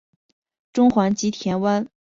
中环及田湾海旁道。